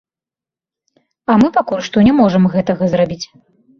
А мы пакуль што не можам гэтага зрабіць.